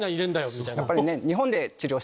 みたいな。